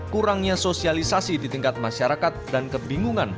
kurangnya sosialisasi di tingkat masyarakat dan kebingungan